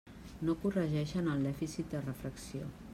No corregeixen el dèficit de refracció.